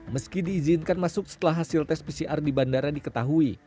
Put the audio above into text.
meski diizinkan masuk setelah hasil tes pcr di bandara diketahui